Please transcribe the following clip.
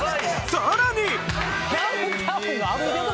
さらに！